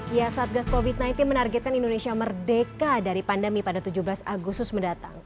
ya satgas covid sembilan belas menargetkan indonesia merdeka dari pandemi pada tujuh belas agustus mendatang